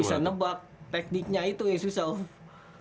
nggak bisa nebak tekniknya itu yang susah om